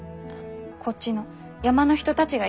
こっちの山の人たちが言ってた。